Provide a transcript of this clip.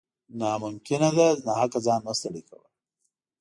نا ممکنه ده ، ناحقه ځان مه ستړی کوه